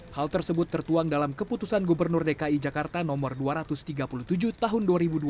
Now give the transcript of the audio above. hal tersebut tertuang dalam keputusan gubernur dki jakarta no dua ratus tiga puluh tujuh tahun dua ribu dua puluh